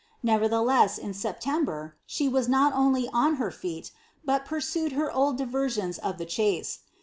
Nevertheless, in September the was not only on her feet, but pursuing her old diversions of the chase.